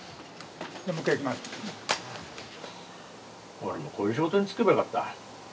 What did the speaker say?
俺もこういう仕事に就けばよかった。